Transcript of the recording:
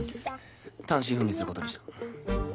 単身赴任する事にした。